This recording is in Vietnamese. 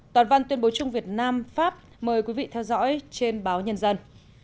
toàn văn tuyên bố chung việt nam pháp mời quý vị theo dõi trên báo nhân dân